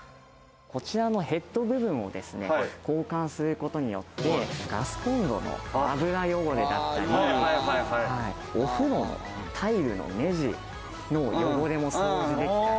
こちらのヘッド部分を交換することによって、ガスコンロの油汚れだったり、お風呂のタイルの目地の汚れも掃除できたり。